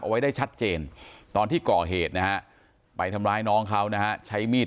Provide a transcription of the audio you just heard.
ไว้ได้ชัดเจนตอนที่ก่อเหตุนะฮะไปทำร้ายน้องเขานะฮะใช้มีด